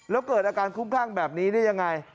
แล้วเกิดอาการคุ้มคลั่งแบบนี้ได้ยังไง